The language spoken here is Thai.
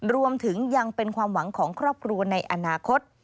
รวมถึงยังเป็นความหวังของครอบครัวในอนาคต